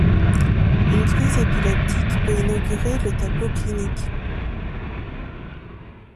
Une crise épileptique peut inaugurer le tableau clinique.